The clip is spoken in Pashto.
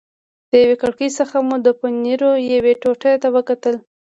له یوې کړکۍ څخه مو د پنیرو یوې ټوټې ته وکتل.